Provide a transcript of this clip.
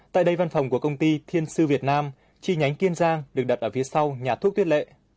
tại đây văn phòng của công ty thiên sư việt nam chi nhánh kiên giang được đặt ở phía sau nhà thuốc tiết lệ